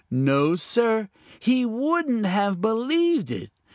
No, Sir, he wouldn't have believed it.